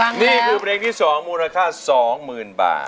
นี่คือเพลงที่สองมูลค่าสองหมื่นบาท